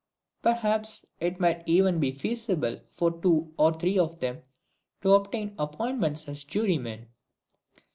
Perhaps it might even be feasible for two or three of them to obtain appointments as jurymen.